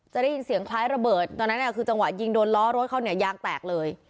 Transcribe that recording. จะได้ยินเสียงคล้ายระเบิดตอนนั้นคือจังหวะยิงโดนล้อรถเขาเนี่ยยางแตกเลย